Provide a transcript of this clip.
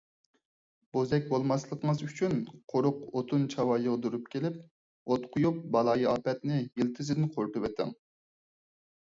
بوزەك بولماسلىقىڭىز ئۈچۈن قۇرۇق ئوتۇن - چاۋا يىغدۇرۇپ كېلىپ ئوت قويۇپ بالايىئاپەتنى يىلتىزىدىن قۇرۇتۇۋېتىڭ.